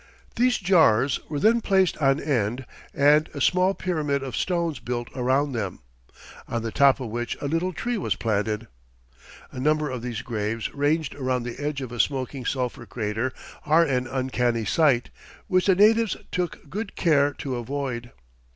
These jars were then placed on end and a small pyramid of stones built around them, on the top of which a little tree was planted. A number of these graves ranged around the edge of a smoking sulphur crater are an uncanny sight, which the natives take good care to avoid.